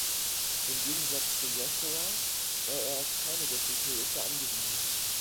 Im Gegensatz zu Joshua war er auf keine göttliche Hilfe angewiesen.